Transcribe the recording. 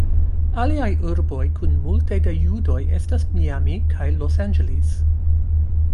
Aliaj urboj kun multe da judoj estas Miami kaj Los Angeles.